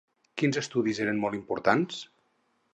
Quins estudis eren molt importants?